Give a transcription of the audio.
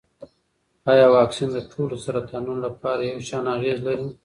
ایا واکسین د ټولو سرطانونو لپاره یو شان اغېز لري؟